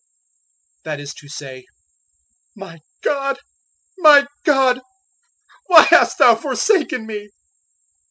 that is to say, "My God, My God, why hast Thou forsaken me?"